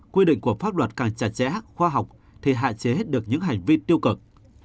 quy định của pháp luật càng trả trẻ hắc khoa học thì hạ chế hết được những hành vi tiêu cực